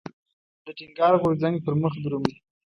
د ټينګار غورځنګ پرمخ درومي.